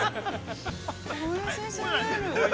◆おいし過ぎる。